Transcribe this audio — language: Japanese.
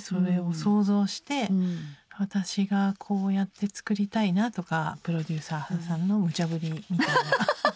それを想像して私がこうやって作りたいなとかプロデューサーさんのむちゃぶりみたいなのに。